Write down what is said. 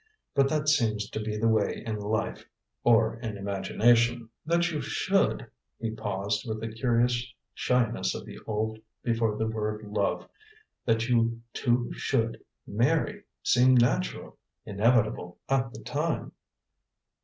But that seems to be the way in life or in imagination. "That you should" he paused with the curious shyness of the old before the word "love" "that you two should marry seemed natural, inevitable, at the time."